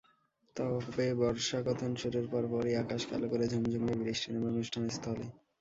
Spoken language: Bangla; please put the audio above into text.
তবে বর্ষাকথন শুরুর পরপরই আকাশ কালো করে ঝুম-ঝুমিয়ে বৃষ্টি নামে অনুষ্ঠানস্থলে।